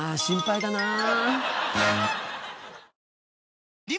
心配だな。